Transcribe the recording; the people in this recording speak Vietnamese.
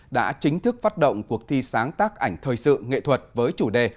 đã chính thức phát động cuộc thi sáng tác ảnh thời sự nghệ thuật với chủ đề